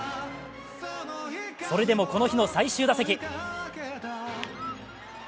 それでも、この日の最終打席。